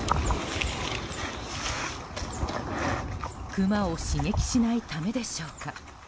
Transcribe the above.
クマを刺激しないためでしょうか。